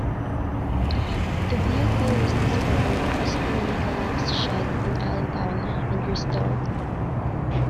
The vehicle was discovered rusting in a collapsed shed in Allentown, and restored.